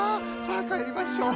さあかえりましょ。